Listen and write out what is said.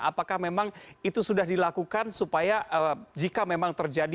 apakah memang itu sudah dilakukan supaya jika memang terjadi